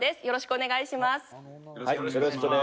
よろしくお願いします。